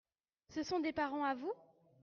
Ce sont des parents à vous ?